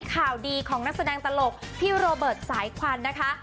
ข่าวดีของนักแสดงตลกพี่โรเบิร์ตสายควันนะคะ